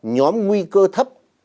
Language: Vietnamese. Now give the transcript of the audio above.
nhóm nguy cơ thấp